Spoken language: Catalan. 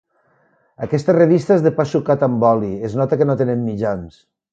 Aquesta revista és de pa sucat amb oli. Es nota que no tenen mitjans.